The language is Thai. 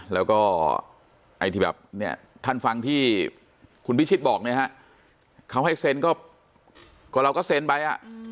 แล้วก็ท่านฟังที่คุณพิชิตบอกเนี่ยครับเขาให้เซ็นก็เราก็เซ็นไปอ่ะ